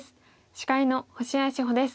司会の星合志保です。